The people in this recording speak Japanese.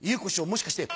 もしかして